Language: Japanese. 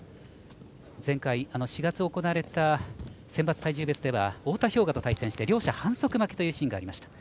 前回、４月行われた選抜体重別では太田彪雅と対戦して両者反則負けというシーンがありました。